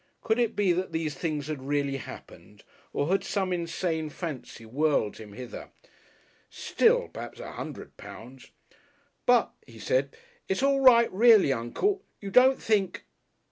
Could it be that these things had really happened? Or had some insane fancy whirled him hither? Still perhaps a hundred pounds "But," he said. "It's all right, reely, Uncle. You don't think